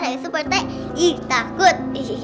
yang itu pak ranti takut